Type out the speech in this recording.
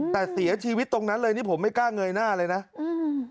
แต่เสียชีวิตตรงนั้นเลยนี่ผมไม่กล้าเงยหน้าเลยนะอืม